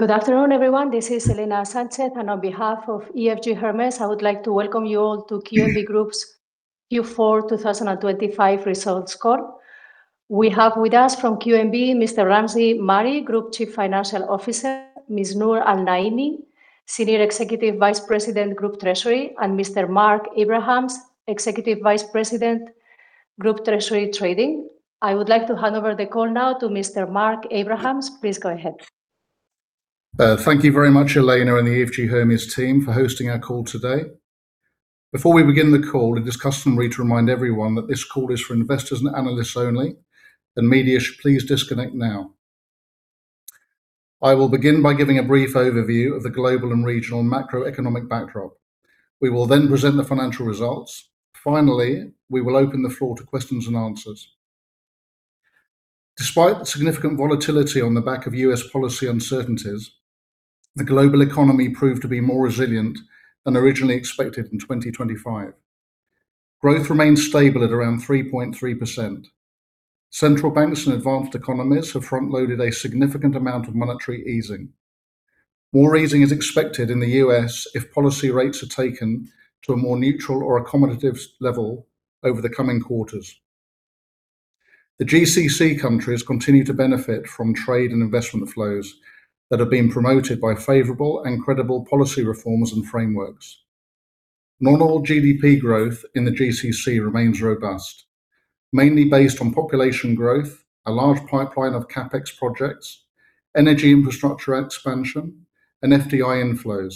Good afternoon, everyone. This is Elena Sanchez, and on behalf of EFG Hermes, I would like to welcome you all to QNB Group's Q4 2025 Results Call. We have with us from QNB, Mr. Ramzi Mari, Group Chief Financial Officer, Ms. Noor Al-Naimi, Senior Executive Vice President, Group Treasury, and Mr. Mark Abrahams, Executive Vice President, Group Treasury Trading. I would like to hand over the call now to Mr. Mark Abrahams. Please go ahead. Thank you very much, Elena, and the EFG Hermes team for hosting our call today. Before we begin the call, it is customary to remind everyone that this call is for investors and analysts only, and media should please disconnect now. I will begin by giving a brief overview of the global and regional macroeconomic backdrop. We will then present the financial results. Finally, we will open the floor to questions and answers. Despite the significant volatility on the back of U.S. policy uncertainties, the global economy proved to be more resilient than originally expected in 2025. Growth remained stable at around 3.3%. Central banks and advanced economies have frontloaded a significant amount of monetary easing. More easing is expected in the U.S. if policy rates are taken to a more neutral or accommodative level over the coming quarters. The GCC countries continue to benefit from trade and investment flows that have been promoted by favorable and credible policy reforms and frameworks. Normal GDP growth in the GCC remains robust, mainly based on population growth, a large pipeline of CapEx projects, energy infrastructure expansion, and FDI inflows.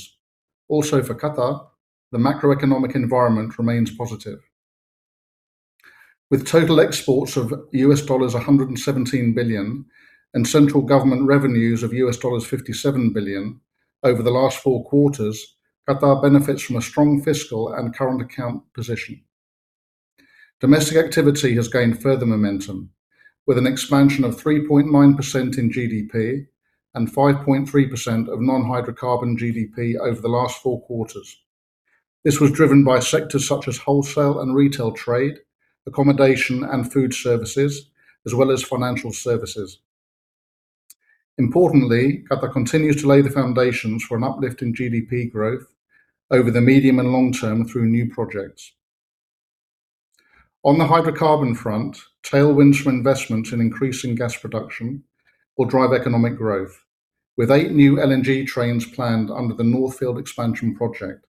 Also, for Qatar, the macroeconomic environment remains positive. With total exports of $117 billion and central government revenues of $57 billion over the last four quarters, Qatar benefits from a strong fiscal and current account position. Domestic activity has gained further momentum, with an expansion of 3.9% in GDP and 5.3% of non-hydrocarbon GDP over the last four quarters. This was driven by sectors such as wholesale and retail trade, accommodation and food services, as well as financial services. Importantly, Qatar continues to lay the foundations for an uplift in GDP growth over the medium and long term through new projects. On the hydrocarbon front, tailwinds for investment in increasing gas production will drive economic growth, with eight new LNG trains planned under the North Field Expansion Project,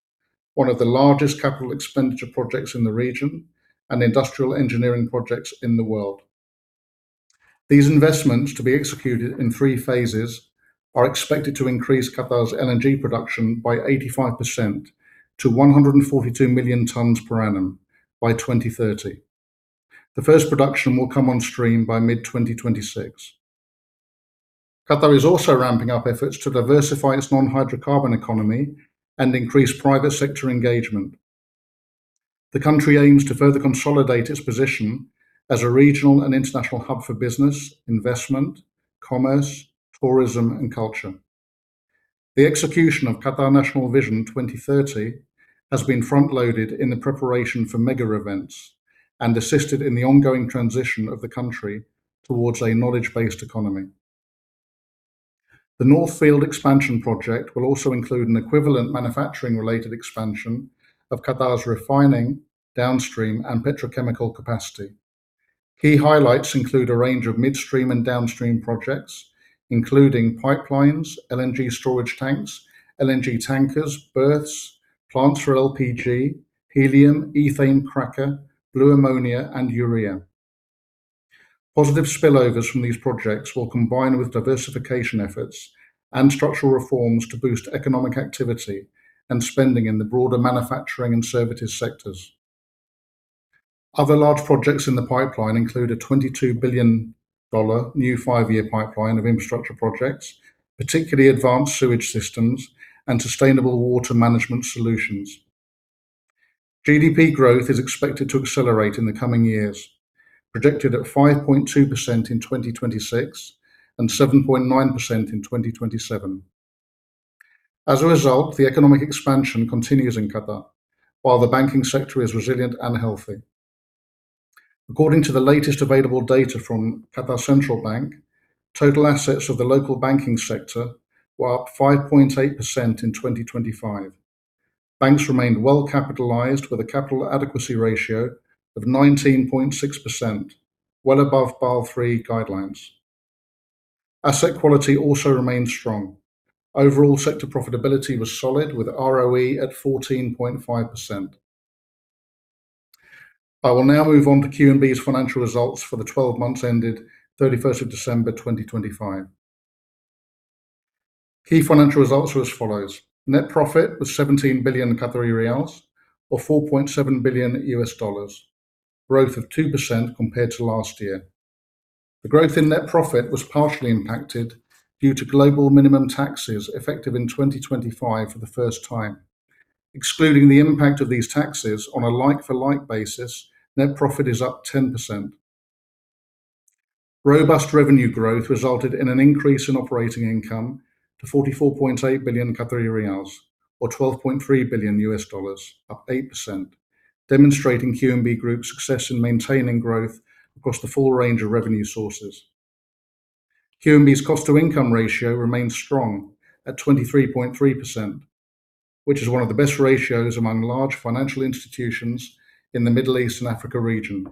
one of the largest capital expenditure projects in the region and industrial engineering projects in the world. These investments, to be executed in three phases, are expected to increase Qatar's LNG production by 85% to 142 million tons per annum by 2030. The first production will come on stream by mid-2026. Qatar is also ramping up efforts to diversify its non-hydrocarbon economy and increase private sector engagement. The country aims to further consolidate its position as a regional and international hub for business, investment, commerce, tourism, and culture. The execution of Qatar National Vision 2030 has been frontloaded in the preparation for mega events and assisted in the ongoing transition of the country towards a knowledge-based economy. The North Field Expansion Project will also include an equivalent manufacturing-related expansion of Qatar's refining, downstream, and petrochemical capacity. Key highlights include a range of midstream and downstream projects, including pipelines, LNG storage tanks, LNG tankers, berths, plants for LPG, helium, ethane cracker, blue ammonia, and urea. Positive spillovers from these projects will combine with diversification efforts and structural reforms to boost economic activity and spending in the broader manufacturing and services sectors. Other large projects in the pipeline include a $22 billion new five-year pipeline of infrastructure projects, particularly advanced sewage systems and sustainable water management solutions. GDP growth is expected to accelerate in the coming years, projected at 5.2% in 2026 and 7.9% in 2027. As a result, the economic expansion continues in Qatar, while the banking sector is resilient and healthy. According to the latest available data from Qatar Central Bank, total assets of the local banking sector were up 5.8% in 2025. Banks remained well capitalized, with a capital adequacy ratio of 19.6%, well above Basel III guidelines. Asset quality also remained strong. Overall sector profitability was solid, with ROE at 14.5%. I will now move on to QNB's financial results for the 12 months ended 31st of December 2025. Key financial results are as follows. Net profit was 17 billion Qatari riyals, or $4.7 billion, growth of 2% compared to last year. The growth in net profit was partially impacted due to global minimum taxes effective in 2025 for the first time. Excluding the impact of these taxes on a like-for-like basis, net profit is up 10%. Robust revenue growth resulted in an increase in operating income to 44.8 billion Qatari riyals, or $12.3 billion, up 8%, demonstrating QNB Group's success in maintaining growth across the full range of revenue sources. QNB's cost-to-income ratio remains strong at 23.3%, which is one of the best ratios among large financial institutions in the Middle East and Africa region.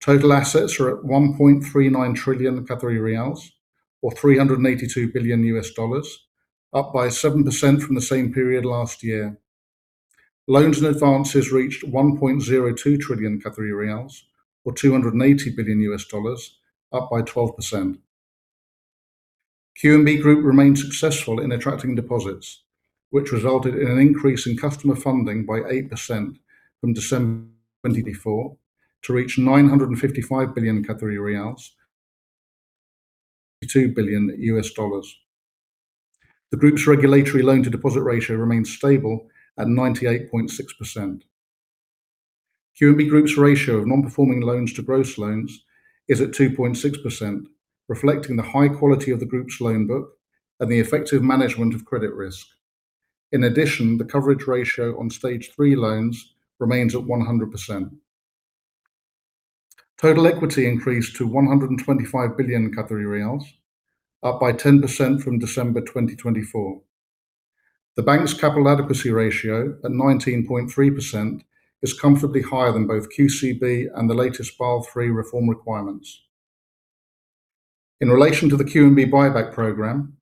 Total assets are at 1.39 trillion Qatari riyals, or $382 billion, up by 7% from the same period last year. Loans and advances reached 1.02 trillion Qatari riyals, or $280 billion, up by 12%. QNB Group remained successful in attracting deposits, which resulted in an increase in customer funding by 8% from December 2024 to reach QAR 955 billion, or $22 billion. The Group's regulatory loan-to-deposit ratio remains stable at 98.6%. QNB Group's ratio of non-performing loans to gross loans is at 2.6%, reflecting the high quality of the Group's loan book and the effective management of credit risk. In addition, the coverage ratio on Stage 3 loans remains at 100%. Total equity increased to 125 billion Qatari riyals, up by 10% from December 2024. The bank's capital adequacy ratio at 19.3% is comfortably higher than both QCB and the latest Basel III reform requirements. In relation to the QNB buyback program,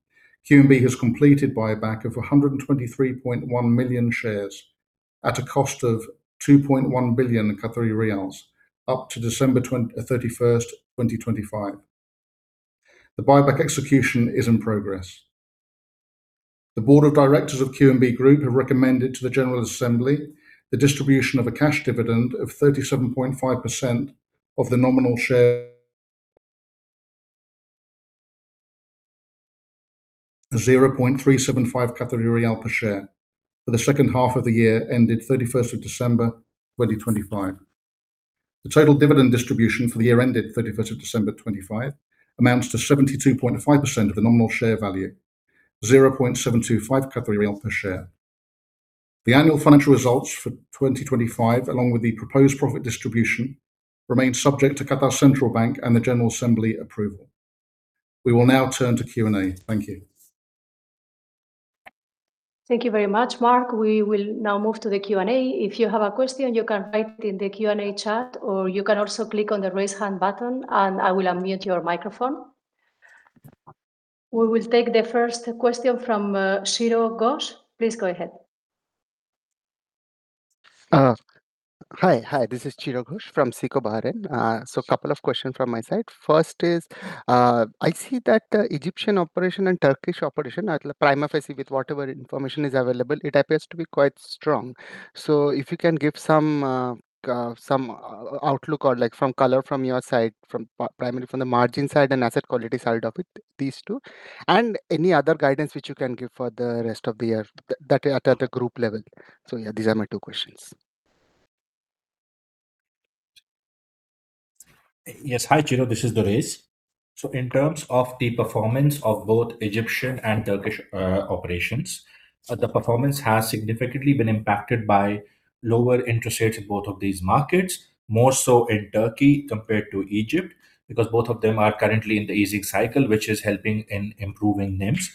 QNB has completed buyback of 123.1 million shares at a cost of 2.1 billion Qatari riyals, up to December 31st, 2025. The buyback execution is in progress. The Board of Directors of QNB Group have recommended to the General Assembly the distribution of a cash dividend of 37.5% of the nominal share, 0.375 per share, for the second half of the year ended 31st of December 2025. The total dividend distribution for the year ended 31st of December 2025 amounts to 72.5% of the nominal share value, 0.725 per share. The annual financial results for 2025, along with the proposed profit distribution, remain subject to Qatar Central Bank and the General Assembly approval. We will now turn to Q&A. Thank you. Thank you very much, Mark. We will now move to the Q&A. If you have a question, you can write it in the Q&A chat, or you can also click on the raise hand button, and I will unmute your microphone. We will take the first question from Chiro Ghosh. Please go ahead. Hi, hi. This is Chiro Ghosh from SICO Bahrain. So a couple of questions from my side. First is, I see that Egyptian operation and Turkish operation, at the end of Q1, with whatever information is available, it appears to be quite strong. So if you can give some outlook or like some color from your side, primarily from the margin side and asset quality side of it, these two, and any other guidance which you can give for the rest of the year at a group level. So yeah, these are my two questions. Yes, hi, Chiro. This is Durraiz. So in terms of the performance of both Egyptian and Turkish operations, the performance has significantly been impacted by lower interest rates in both of these markets, more so in Turkey compared to Egypt, because both of them are currently in the easing cycle, which is helping in improving NIMs,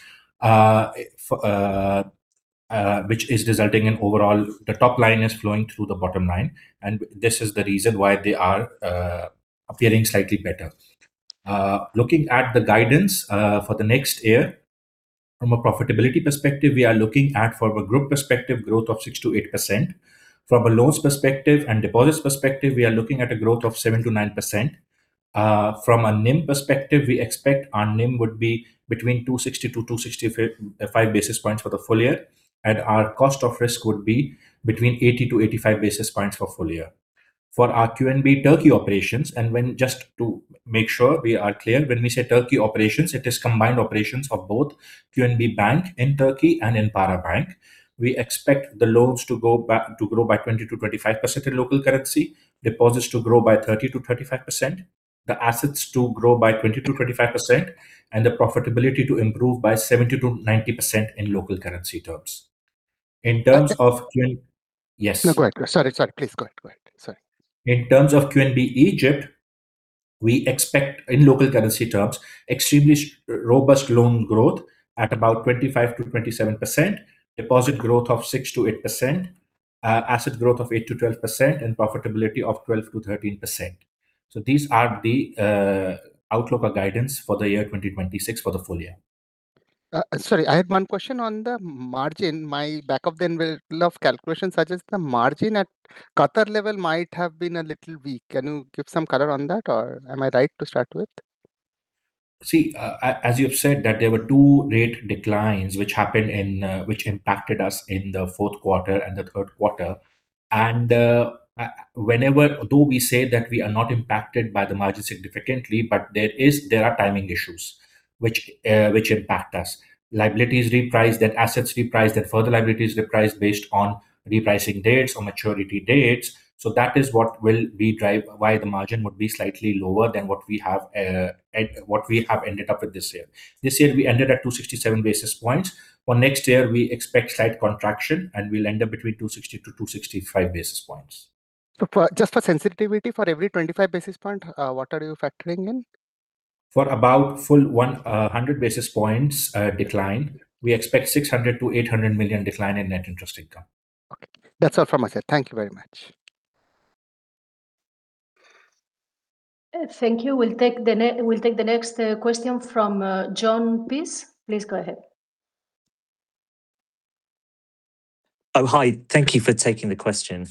which is resulting in overall the top line is flowing through the bottom line, and this is the reason why they are appearing slightly better. Looking at the guidance for the next year, from a profitability perspective, we are looking at, from a group perspective, growth of 6%-8%. From a loans perspective and deposits perspective, we are looking at a growth of 7%-9%. From a NIM perspective, we expect our NIM would be between 260-265 basis points for the full year, and our cost of risk would be between 80-85 basis points for the full year. For our QNB Turkey operations, and just to make sure we are clear, when we say Turkey operations, it is combined operations of both QNB Bank in Turkey and Enpara. We expect the loans to grow by 20%-25% in local currency, deposits to grow by 30%-35%, the assets to grow by 20%-25%, and the profitability to improve by 70%-90% in local currency terms. In terms of QNB, yes. No, go ahead. Sorry, sorry. Please go ahead. Sorry. In terms of QNB Egypt, we expect, in local currency terms, extremely robust loan growth at about 25%-27%, deposit growth of 6%-8%, asset growth of 8%-12%, and profitability of 12%-13%. So these are the outlook or guidance for the year 2026 for the full year. Sorry, I had one question on the margin. My back of the envelope calculation suggests the margin at Qatar level might have been a little weak. Can you give some color on that, or am I right to start with? See, as you have said, there were two rate declines which happened, which impacted us in the fourth quarter and the third quarter. Whenever, though we say that we are not impacted by the margin significantly, but there are timing issues which impact us. Liabilities repriced, then assets repriced, then further liabilities repriced based on repricing dates or maturity dates. That is what will drive why the margin would be slightly lower than what we have ended up with this year. This year, we ended at 267 basis points. For next year, we expect slight contraction, and we'll end up between 260 to 265 basis points. Just for sensitivity, for every 25 basis points, what are you factoring in? For a full 100 basis points decline, we expect 600 million-800 million decline in net interest income. Okay. That's all from my side. Thank you very much. Thank you. We'll take the next question from Jon Peace. Please go ahead. Hi. Thank you for taking the question.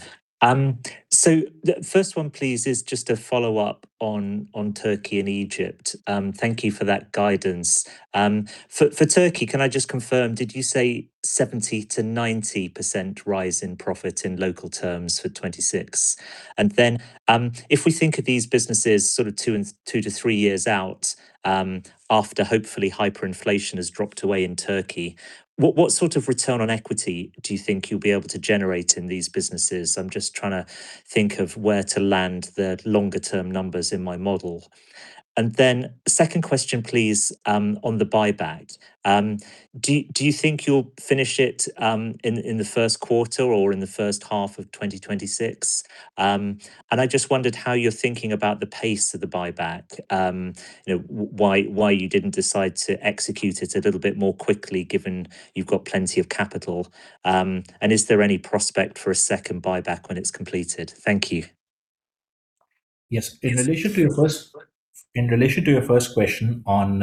So the first one, please, is just a follow-up on Türkiye and Egypt. Thank you for that guidance. For Türkiye, can I just confirm, did you say 70%-90% rise in profit in local terms for 2026? And then if we think of these businesses sort of two to three years out after hopefully hyperinflation has dropped away in Türkiye, what sort of return on equity do you think you'll be able to generate in these businesses? I'm just trying to think of where to land the longer-term numbers in my model. And then second question, please, on the buyback. Do you think you'll finish it in the first quarter or in the first half of 2026? I just wondered how you're thinking about the pace of the buyback, why you didn't decide to execute it a little bit more quickly given you've got plenty of capital, and is there any prospect for a second buyback when it's completed? Thank you. Yes. In relation to your first question on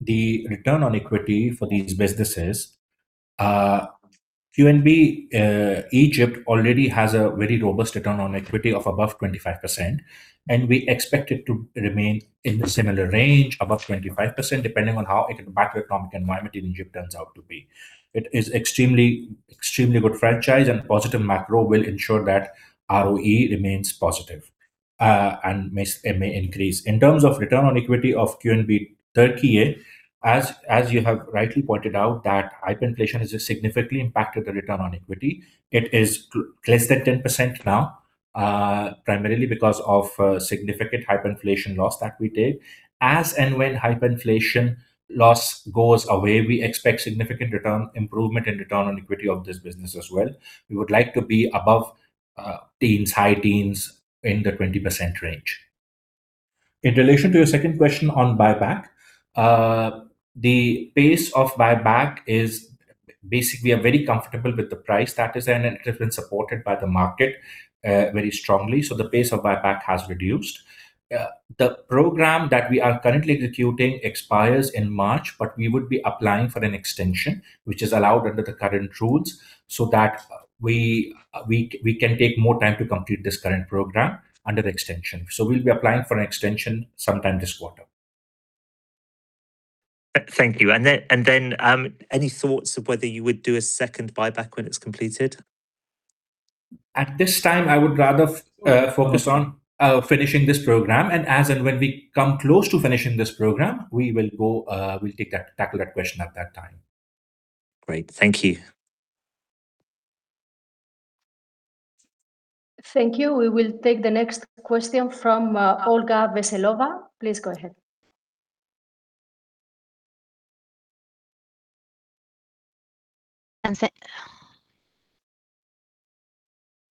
the return on equity for these businesses, QNB Egypt already has a very robust return on equity of above 25%, and we expect it to remain in the similar range, above 25%, depending on how the macroeconomic environment in Egypt turns out to be. It is an extremely good franchise, and positive macro will ensure that ROE remains positive and may increase. In terms of return on equity of QNB Türkiye, as you have rightly pointed out, that hyperinflation has significantly impacted the return on equity. It is less than 10% now, primarily because of significant hyperinflation loss that we did. As and when hyperinflation loss goes away, we expect significant improvement in return on equity of this business as well. We would like to be above teens, high teens in the 20% range. In relation to your second question on buyback, the pace of buyback is basically we are very comfortable with the price that is, and it has been supported by the market very strongly, so the pace of buyback has reduced. The program that we are currently executing expires in March, but we would be applying for an extension, which is allowed under the current rules, so that we can take more time to complete this current program under the extension, so we'll be applying for an extension sometime this quarter. Thank you. And then any thoughts of whether you would do a second buyback when it's completed? At this time, I would rather focus on finishing this program, and as and when we come close to finishing this program, we will take that, tackle that question at that time. Great. Thank you. Thank you. We will take the next question from Olga Veselova. Please go ahead.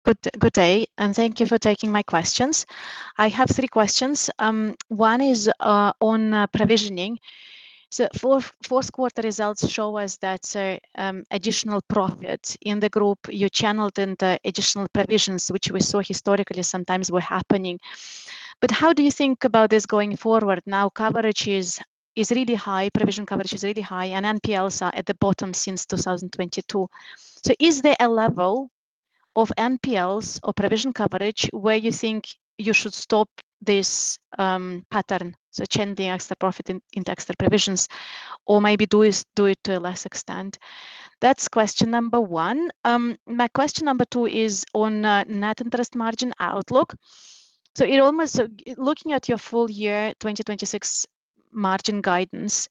Good day. And thank you for taking my questions. I have three questions. One is on provisioning. So fourth quarter results show us that additional profits in the group you channeled into additional provisions, which we saw historically sometimes were happening. But how do you think about this going forward? Now, coverage is really high, provision coverage is really high, and NPLs are at the bottom since 2022. So is there a level of NPLs or provision coverage where you think you should stop this pattern, so channeling extra profit into extra provisions, or maybe do it to a lesser extent? That's question number one. My question number two is on net interest margin outlook. So looking at your full year 2026 margin guidance,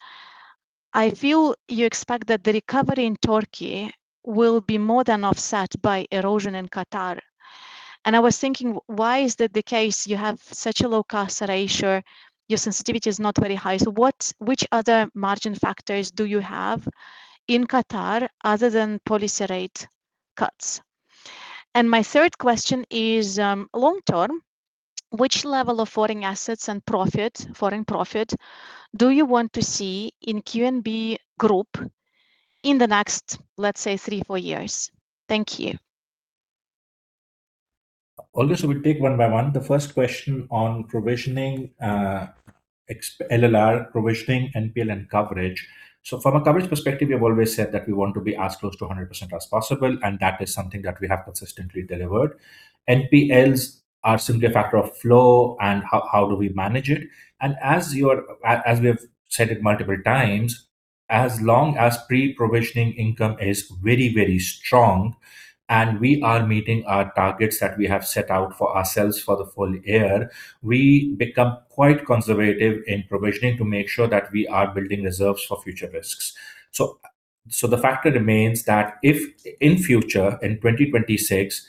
I feel you expect that the recovery in Türkiye will be more than offset by erosion in Qatar. And I was thinking, why is that the case? You have such a low cost ratio. Your sensitivity is not very high. So which other margin factors do you have in Qatar other than policy rate cuts? And my third question is long-term, which level of foreign assets and profit, foreign profit, do you want to see in QNB Group in the next, let's say, three, four years? Thank you. Always, we take one by one. The first question on provisioning, LLR provisioning, NPL, and coverage. So from a coverage perspective, we have always said that we want to be as close to 100% as possible, and that is something that we have consistently delivered. NPLs are simply a factor of flow, and how do we manage it? And as we have said it multiple times, as long as pre-provisioning income is very, very strong, and we are meeting our targets that we have set out for ourselves for the full year, we become quite conservative in provisioning to make sure that we are building reserves for future risks. The factor remains that if in future, in 2026,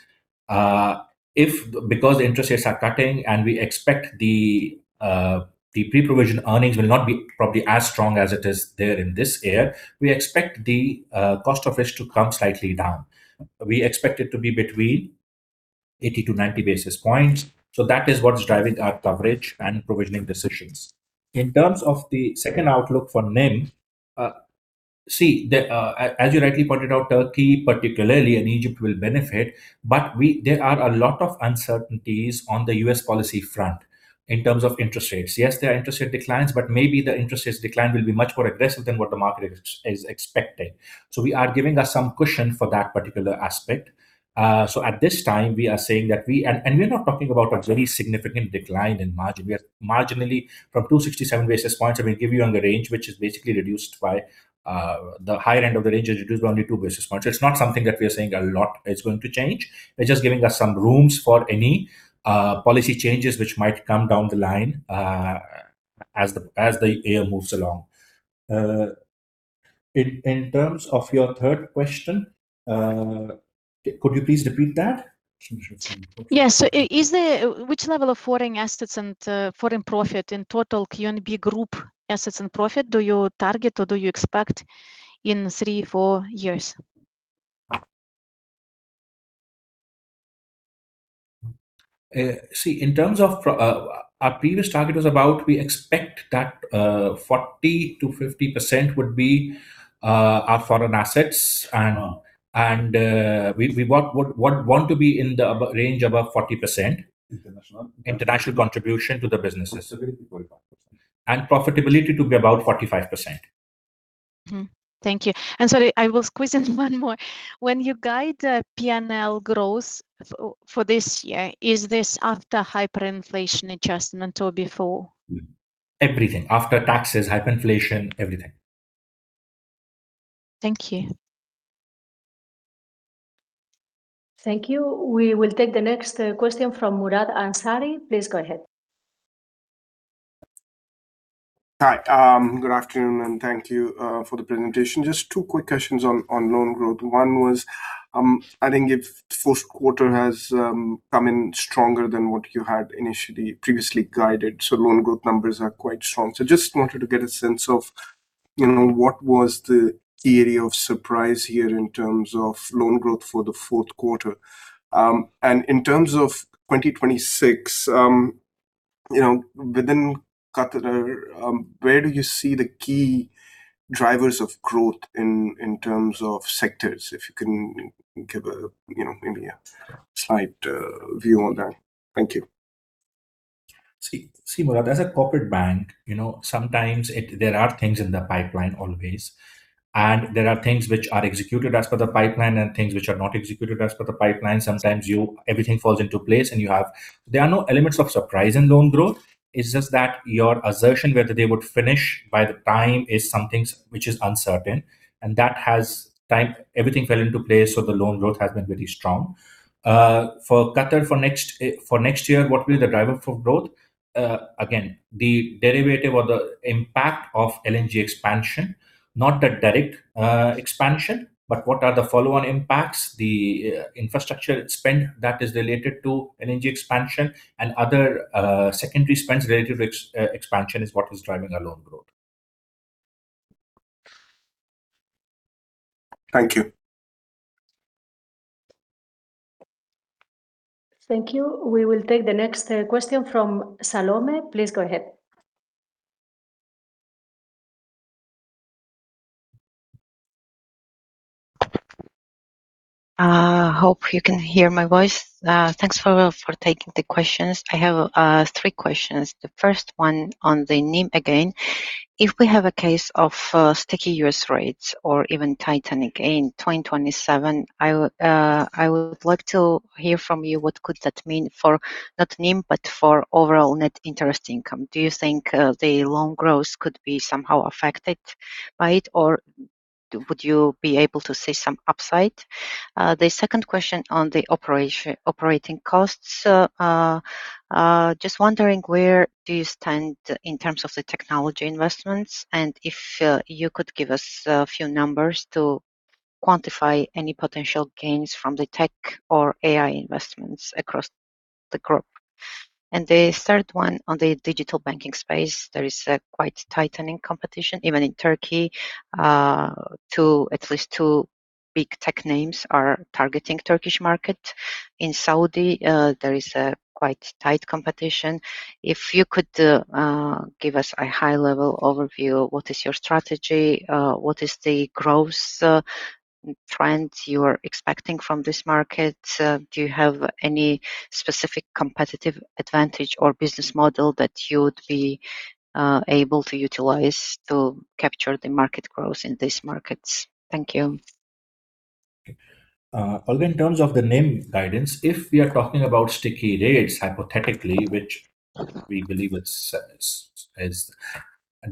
because interest rates are cutting and we expect the pre-provision earnings will not be probably as strong as it is there in this year, we expect the cost of risk to come slightly down. We expect it to be between 80 to 90 basis points. That is what's driving our coverage and provisioning decisions. In terms of the second outlook for NIM, see, as you rightly pointed out, Türkiye particularly and Egypt will benefit, but there are a lot of uncertainties on the U.S. policy front in terms of interest rates. Yes, there are interest rate declines, but maybe the interest rate decline will be much more aggressive than what the market is expecting. We are giving us some cushion for that particular aspect. So at this time, we are saying that we, and we're not talking about a very significant decline in margin. We are marginally from 267 basis points. I mean, give you on the range, which is basically reduced by the higher end of the range is reduced by only 2 basis points. So it's not something that we are saying a lot is going to change. We're just giving us some room for any policy changes which might come down the line as the year moves along. In terms of your third question, could you please repeat that? Yes. So which level of foreign assets and foreign profit in total QNB Group assets and profit do you target or do you expect in three, four years? See, in terms of our previous target was about we expect that 40%-50% would be our foreign assets, and we want to be in the range above 40%. International contribution to the businesses and profitability to be about 45%. Thank you. And sorry, I will squeeze in one more. When you guide P&L growth for this year, is this after hyperinflation adjustment or before? Everything. After taxes, hyperinflation, everything. Thank you. Thank you. We will take the next question from Murad Ansari. Please go ahead. Hi. Good afternoon, and thank you for the presentation. Just two quick questions on loan growth. One was, I think if fourth quarter has come in stronger than what you had initially previously guided, so loan growth numbers are quite strong. So just wanted to get a sense of what was the area of surprise here in terms of loan growth for the fourth quarter? And in terms of 2026, within Qatar, where do you see the key drivers of growth in terms of sectors? If you can give maybe a slight view on that. Thank you. See, Murad, as a corporate bank, sometimes there are things in the pipeline always, and there are things which are executed as per the pipeline and things which are not executed as per the pipeline. Sometimes everything falls into place and you have. There are no elements of surprise in loan growth. It's just that your assertion whether they would finish by the time is something which is uncertain. And at that time, everything fell into place, so the loan growth has been pretty strong. For Qatar, for next year, what will be the driver for growth? Again, the derivative or the impact of LNG expansion, not the direct expansion, but what are the follow-on impacts? The infrastructure spend that is related to LNG expansion and other secondary spends related to expansion is what is driving our loan growth. Thank you. Thank you. We will take the next question from Salome. Please go ahead. I hope you can hear my voice. Thanks for taking the questions. I have three questions. The first one on the NIM again. If we have a case of sticky U.S. rates or even tighten again in 2027, I would like to hear from you what could that mean for not NIM, but for overall net interest income? Do you think the loan growth could be somehow affected by it, or would you be able to see some upside? The second question on the operating costs, just wondering where do you stand in terms of the technology investments, and if you could give us a few numbers to quantify any potential gains from the tech or AI investments across the group? And the third one on the digital banking space, there is quite tightening competition, even in Turkey. At least two big tech names are targeting the Turkish market. In Saudi, there is quite tight competition. If you could give us a high-level overview, what is your strategy? What is the growth trend you are expecting from this market? Do you have any specific competitive advantage or business model that you would be able to utilize to capture the market growth in these markets? Thank you. Also in terms of the NIM guidance, if we are talking about sticky rates hypothetically, which we believe is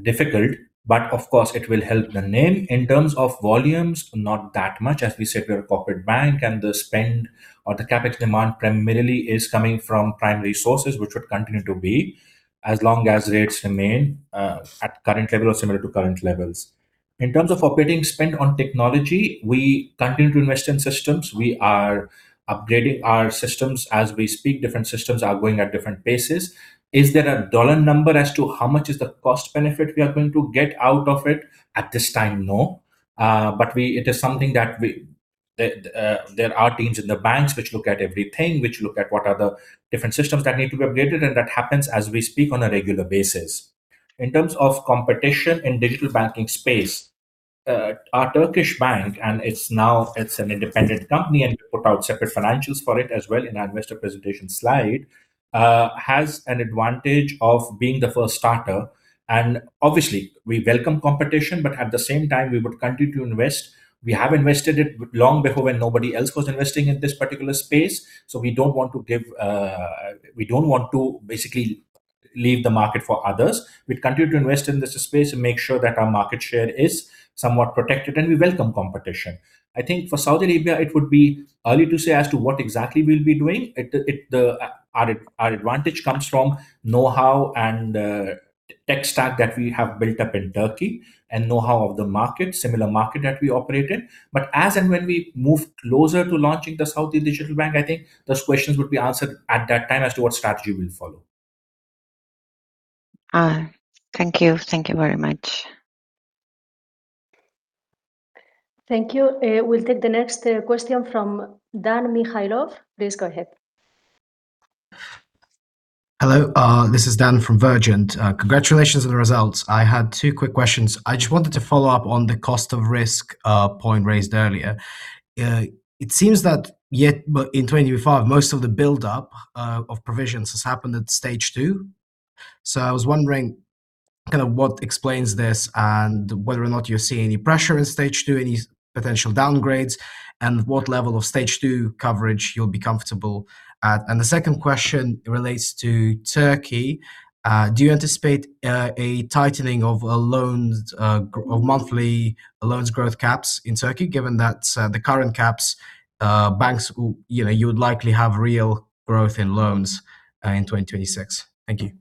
difficult, but of course, it will help the NIM. In terms of volumes, not that much. As we said, we are a corporate bank, and the spend or the CapEx demand primarily is coming from primary sources, which would continue to be as long as rates remain at current levels or similar to current levels. In terms of operating spend on technology, we continue to invest in systems. We are upgrading our systems as we speak. Different systems are going at different paces. Is there a dollar number as to how much is the cost benefit we are going to get out of it? At this time, no. But it is something that there are teams in the banks which look at everything, which look at what are the different systems that need to be upgraded, and that happens as we speak on a regular basis. In terms of competition in the digital banking space, our Turkish bank, and it's now an independent company, and we put out separate financials for it as well in our investor presentation slide, has an advantage of being the first starter. And obviously, we welcome competition, but at the same time, we would continue to invest. We have invested in it long before when nobody else was investing in this particular space. So we don't want to basically leave the market for others. We continue to invest in this space and make sure that our market share is somewhat protected, and we welcome competition. I think for Saudi Arabia, it would be early to say as to what exactly we'll be doing. Our advantage comes from know-how and tech stack that we have built up in Türkiye and know-how of the market, similar market that we operate in. But as and when we move closer to launching the Saudi Digital Bank, I think those questions would be answered at that time as to what strategy we'll follow. Thank you. Thank you very much. Thank you. We'll take the next question from Dan Mikhaylov. Please go ahead. Hello. This is Dan from Vergent. Congratulations on the results. I had two quick questions. I just wanted to follow up on the cost of risk point raised earlier. It seems that in 2025, most of the build-up of provisions has happened at stage 2. So I was wondering kind of what explains this and whether or not you're seeing any pressure in stage 2, any potential downgrades, and what level of stage 2 coverage you'll be comfortable at. And the second question relates to Turkey. Do you anticipate a tightening of monthly loans growth caps in Turkey, given that the current caps, banks, you would likely have real growth in loans in 2026? Thank you.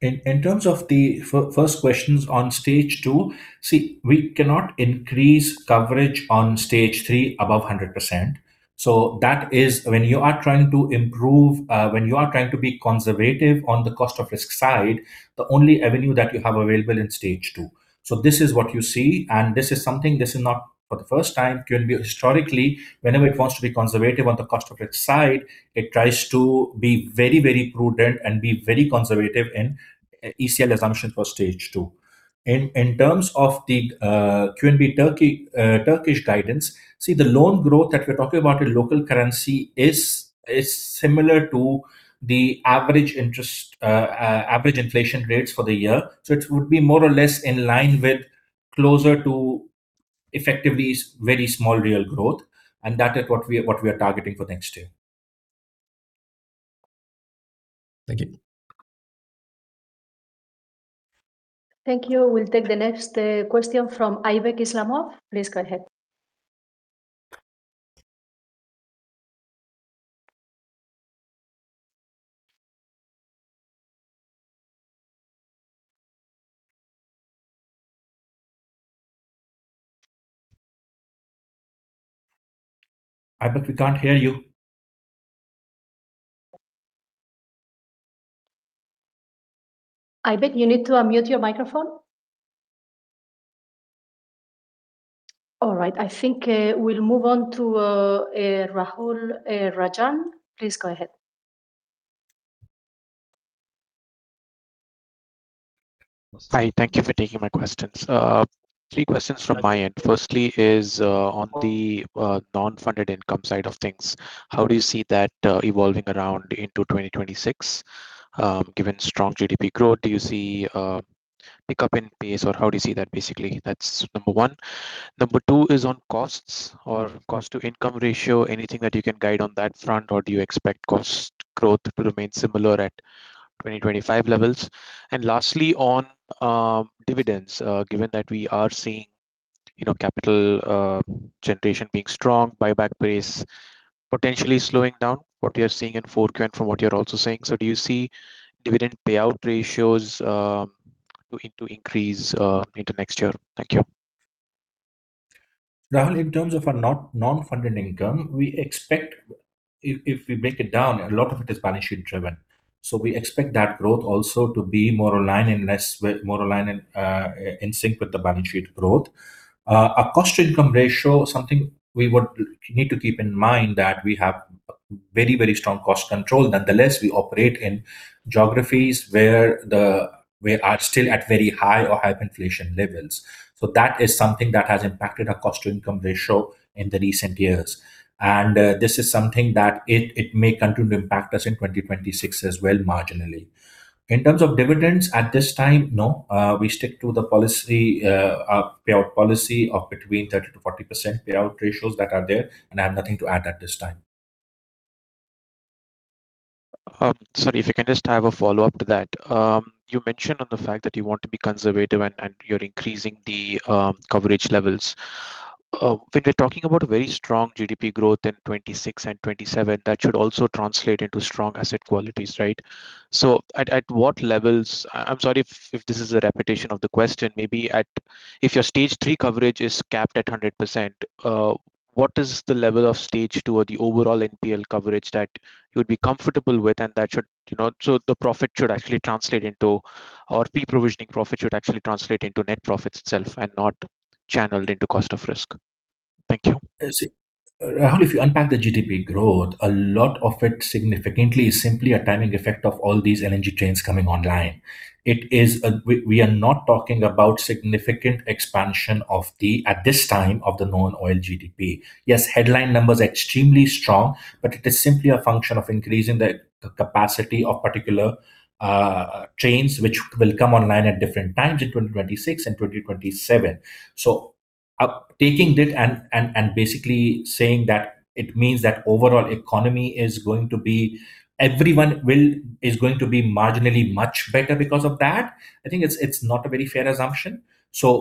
In terms of the first questions on stage 2, see, we cannot increase coverage on stage 3 above 100%. So that is when you are trying to improve, when you are trying to be conservative on the cost of risk side, the only avenue that you have available in stage two. So this is what you see, and this is something, this is not for the first time. QNB historically, whenever it wants to be conservative on the cost of risk side, it tries to be very, very prudent and be very conservative in ECL assumption for stage two. In terms of the QNB Turkish guidance, see, the loan growth that we're talking about in local currency is similar to the average inflation rates for the year. So it would be more or less in line with closer to effectively very small real growth, and that is what we are targeting for next year. Thank you. Thank you. We'll take the next question from Aybek Islamov. Please go ahead. Aybek, we can't hear you. Aybek, you need to unmute your microphone. All right. I think we'll move on to Rahul Rajan. Please go ahead. Hi. Thank you for taking my questions. Three questions from my end. Firstly is on the non-funded income side of things. How do you see that evolving around into 2026? Given strong GDP growth, do you see a pickup in pace, or how do you see that basically? That's number one. Number two is on costs or cost-to-income ratio. Anything that you can guide on that front, or do you expect cost growth to remain similar at 2025 levels? And lastly, on dividends, given that we are seeing capital generation being strong, buyback pace potentially slowing down, what we are seeing in 4Q and from what you're also saying. So do you see dividend payout ratios to increase into next year? Thank you. Rahul, in terms of our non-funded income, we expect if we break it down, a lot of it is balance sheet driven. So we expect that growth also to be more aligned and less more aligned in sync with the balance sheet growth. Our cost-to-income ratio, something we would need to keep in mind that we have very, very strong cost control. Nonetheless, we operate in geographies where we are still at very high or hyperinflation levels. So that is something that has impacted our cost-to-income ratio in the recent years, and this is something that it may continue to impact us in 2026 as well, marginally. In terms of dividends at this time, no. We stick to the payout policy of between 30%-40% payout ratios that are there, and I have nothing to add at this time. Sorry, if I can just have a follow-up to that. You mentioned on the fact that you want to be conservative and you're increasing the coverage levels. When we're talking about very strong GDP growth in 2026 and 2027, that should also translate into strong asset qualities, right? So at what levels? I'm sorry if this is a repetition of the question. Maybe if your stage three coverage is capped at 100%, what is the level of stage two or the overall NPL coverage that you would be comfortable with? That should, so the profit should actually translate into, or pre-provisioning profit should actually translate into net profits itself and not channeled into cost of risk. Thank you. Rahul, if you unpack the GDP growth, a lot of it significantly is simply a timing effect of all these LNG trains coming online. We are not talking about significant expansion of the, at this time, of the known oil GDP. Yes, headline numbers are extremely strong, but it is simply a function of increasing the capacity of particular trains, which will come online at different times in 2026 and 2027. Taking it and basically saying that it means that overall economy is going to be, everyone is going to be marginally much better because of that, I think it's not a very fair assumption.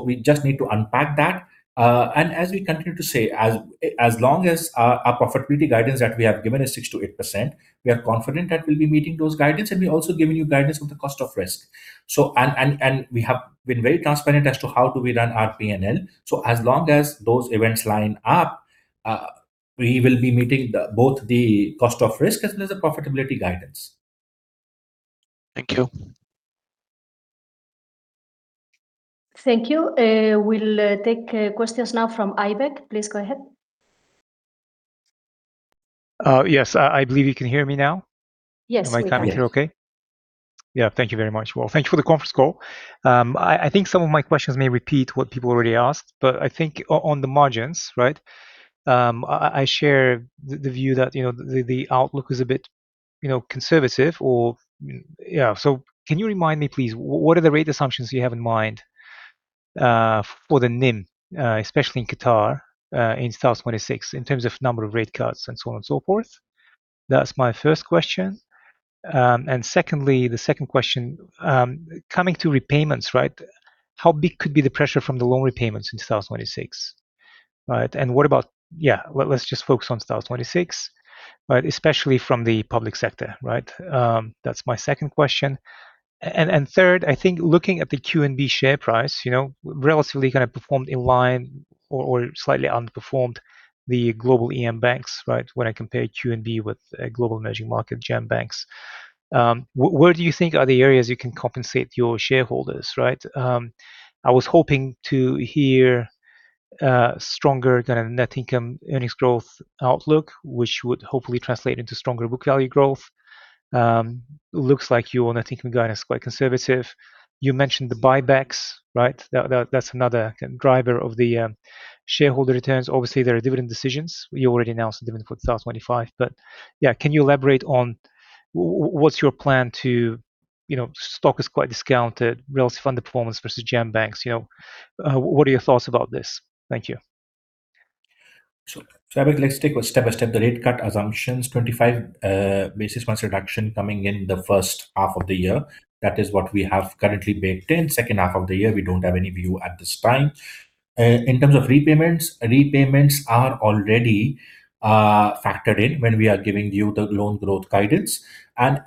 We just need to unpack that. And as we continue to say, as long as our profitability guidance that we have given is 6%-8%, we are confident that we'll be meeting those guidance, and we're also giving you guidance on the cost of risk. And we have been very transparent as to how do we run our P&L. So as long as those events line up, we will be meeting both the cost of risk as well as the profitability guidance. Thank you. Thank you. We'll take questions now from Aybek. Please go ahead. Yes. I believe you can hear me now. Yes. Am I coming through okay? Yeah. Thank you very much. Well, thank you for the conference call. I think some of my questions may repeat what people already asked, but I think on the margins, right? I share the view that the outlook is a bit conservative or, yeah. So can you remind me, please, what are the rate assumptions you have in mind for the NIM, especially in Qatar in 2026, in terms of number of rate cuts and so on and so forth? That's my first question. And secondly, the second question, coming to repayments, right? How big could be the pressure from the loan repayments in 2026? Right. And what about, yeah, let's just focus on 2026, right, especially from the public sector, right? That's my second question. Third, I think looking at the QNB share price, you know, relatively kind of performed in line or slightly underperformed the global EM banks, right, when I compare QNB with global emerging market, GEM banks. Where do you think are the areas you can compensate your shareholders, right? I was hoping to hear stronger kind of net income earnings growth outlook, which would hopefully translate into stronger book value growth. Looks like your net income guidance is quite conservative. You mentioned the buybacks, right? That's another driver of the shareholder returns. Obviously, there are dividend decisions. You already announced dividend for 2025. But yeah, can you elaborate on what's your plan to, stock is quite discounted, relatively underperformance versus GEM banks? What are your thoughts about this? Thank you. So, let's take a step by step the rate cut assumptions. 25 basis points reduction coming in the first half of the year. That is what we have currently baked in. Second half of the year, we don't have any view at this time. In terms of repayments, repayments are already factored in when we are giving you the loan growth guidance. And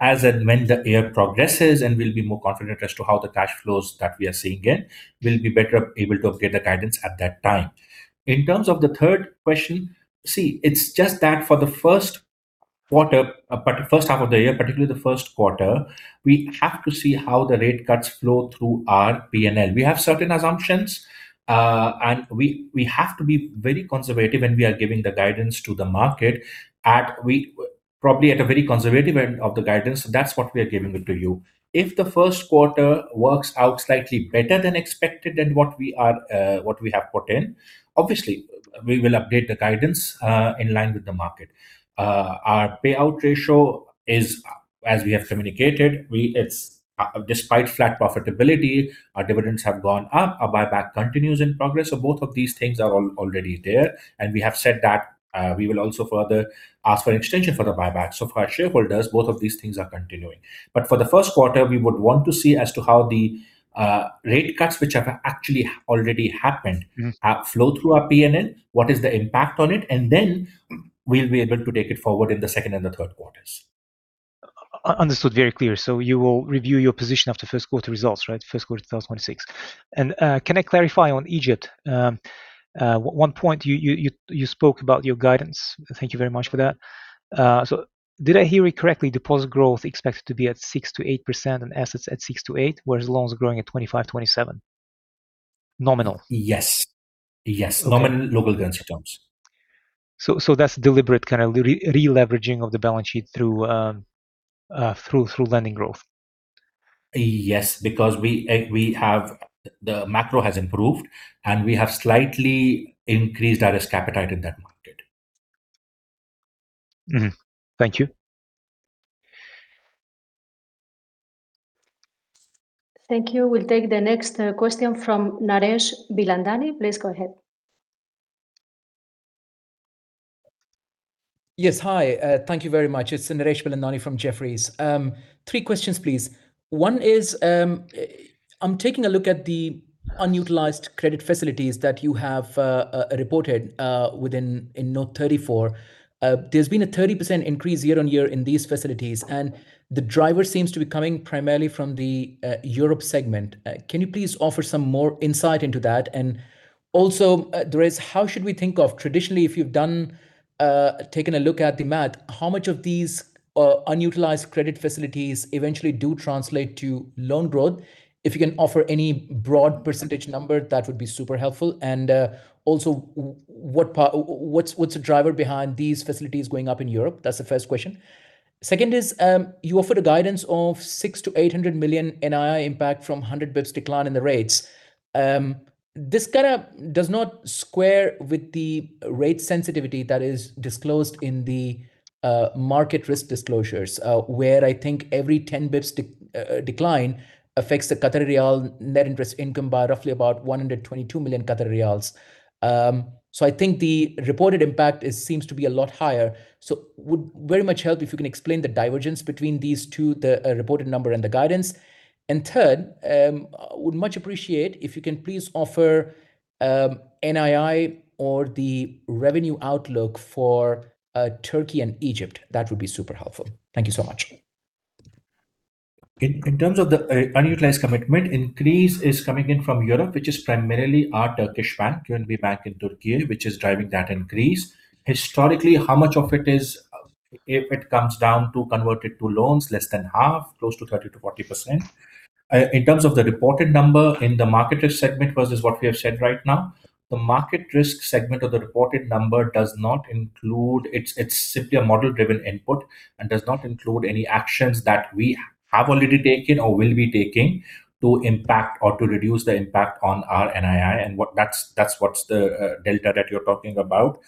as and when the year progresses, and we'll be more confident as to how the cash flows that we are seeing in. We'll be better able to update the guidance at that time. In terms of the third question, see, it's just that for the first quarter, first half of the year, particularly the first quarter, we have to see how the rate cuts flow through our P&L. We have certain assumptions, and we have to be very conservative when we are giving the guidance to the market, at probably a very conservative end of the guidance. That's what we are giving it to you. If the first quarter works out slightly better than expected, than what we have put in, obviously, we will update the guidance in line with the market. Our payout ratio is, as we have communicated, despite flat profitability, our dividends have gone up, our buyback continues in progress. So both of these things are already there, and we have said that we will also further ask for an extension for the buyback. For our shareholders, both of these things are continuing. But for the first quarter, we would want to see as to how the rate cuts, which have actually already happened, flow through our P&L, what is the impact on it, and then we'll be able to take it forward in the second and the third quarters. Understood. Very clear. So you will review your position after first quarter results, right? First quarter 2026. And can I clarify on Egypt? One point, you spoke about your guidance. Thank you very much for that. So did I hear you correctly? Deposit growth expected to be at 6%-8% and assets at 6%-8%, whereas loans are growing at 25%-27%. Nominal. Yes. Nominal, local currency terms. So that's deliberate kind of re-leveraging of the balance sheet through lending growth. Yes, because the macro has improved, and we have slightly increased our risk appetite in that market. Thank you. Thank you. We'll take the next question from Naresh Bilandani. Please go ahead. Yes. Hi. Thank you very much. It's Naresh Bilandani from Jefferies. Three questions, please. One is, I'm taking a look at the unutilized credit facilities that you have reported within Note 34. There's been a 30% increase year on year in these facilities, and the driver seems to be coming primarily from the Europe segment. Can you please offer some more insight into that? And also, how should we think of traditionally, if you've taken a look at the math, how much of these unutilized credit facilities eventually do translate to loan growth? If you can offer any broad percentage number, that would be super helpful. And also, what's the driver behind these facilities going up in Europe? That's the first question. Second is, you offered a guidance of 600 million-800 million NII impact from 100 basis points decline in the rates. This kind of does not square with the rate sensitivity that is disclosed in the market risk disclosures, where I think every 10 basis points decline affects the Qatari riyal net interest income by roughly about 122 million riyals. So I think the reported impact seems to be a lot higher. So it would very much help if you can explain the divergence between these two, the reported number and the guidance. And third, I would much appreciate if you can please offer NII or the revenue outlook for Turkey and Egypt. That would be super helpful. Thank you so much. In terms of the unutilized commitment, increase is coming in from Europe, which is primarily our Turkish bank, QNB Bank in Türkiye, which is driving that increase. Historically, how much of it is, if it comes down to converted to loans, less than half, close to 30%-40%. In terms of the reported number in the market risk segment versus what we have said right now, the market risk segment of the reported number does not include. It's simply a model-driven input and does not include any actions that we have already taken or will be taking to impact or to reduce the impact on our NII, and that's what's the delta that you're talking about.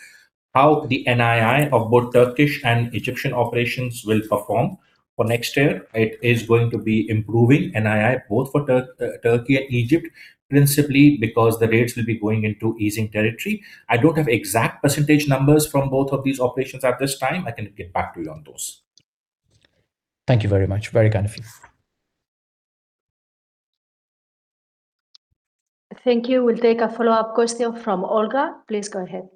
How the NII of both Turkish and Egyptian operations will perform for next year, it is going to be improving NII both for Turkey and Egypt, principally because the rates will be going into easing territory. I don't have exact percentage numbers from both of these operations at this time. I can get back to you on those. Thank you very much. Very kind of you. Thank you. We'll take a follow-up question from Olga. Please go ahead.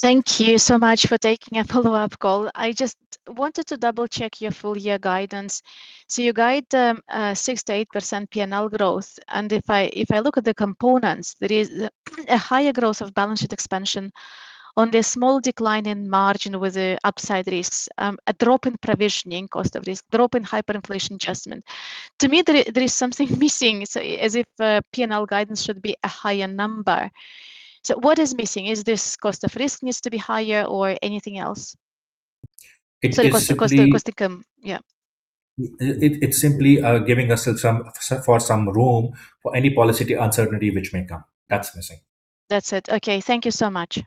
Thank you so much for taking a follow-up call. I just wanted to double-check your full year guidance. So you guide 6%-8% P&L growth. And if I look at the components, there is a higher growth of balance sheet expansion on the small decline in margin with the upside risks, a drop in provisioning cost of risk, drop in hyperinflation adjustment. To me, there is something missing, as if P&L guidance should be a higher number. So what is missing? Is this cost of risk needs to be higher or anything else? It's simply giving us some room for any policy uncertainty which may come. That's missing. That's it. Okay. Thank you so much.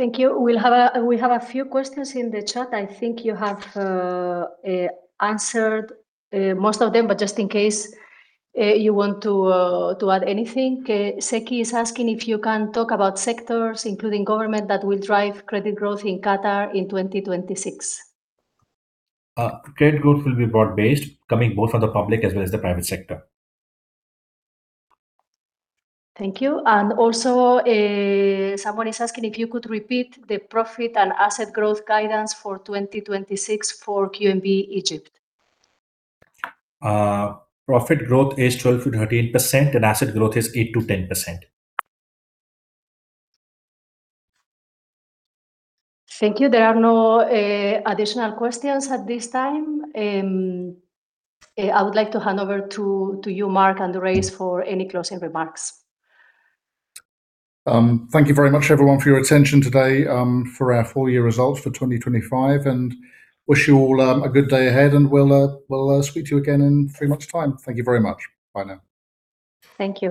Thank you. We'll have a few questions in the chat. I think you have answered most of them, but just in case you want to add anything, Zaki is asking if you can talk about sectors, including government, that will drive credit growth in Qatar in 2026. Credit growth will be broad-based, coming both from the public as well as the private sector. Thank you. And also, someone is asking if you could repeat the profit and asset growth guidance for 2026 for QNB Egypt. Profit growth is 12%-13%, and asset growth is 8%-10%. Thank you. There are no additional questions at this time. I would like to hand over to you, Mark and Durraiz, for any closing remarks. Thank you very much, everyone, for your attention today for our full year results for 2025, and wish you all a good day ahead, and we'll speak to you again in three months' time. Thank you very much. Bye now. Thank you.